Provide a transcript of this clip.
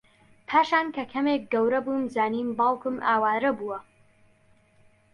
پاشان کە کەمێک گەورەبووم زانیم باوکم ئاوارە بووە